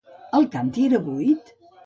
El canti era buit?